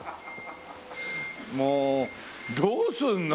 もうどうすんの？